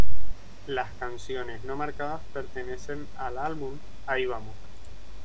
Las canciones no marcadas pertenecen al álbum Ahí vamos